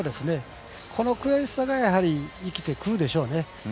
この悔しさがやはり生きてくるでしょうね。